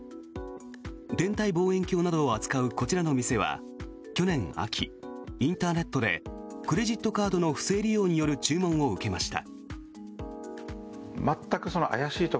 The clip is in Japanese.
天体望遠鏡などを扱うこちらの店は去年秋、インターネットでクレジットカードの不正利用による注文を受けました。